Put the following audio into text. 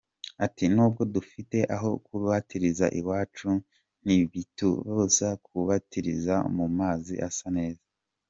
Ati ‘‘Nubwo tudafite aho kubatiriza iwacu, ntibitubuza kubatiriza mu mazi asa neza.